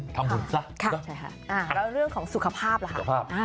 แล้วเรื่องของสุขภาพล่ะคะ